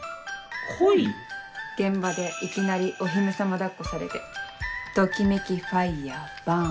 現場でいきなりお姫様抱っこされてときめきファイアバーン。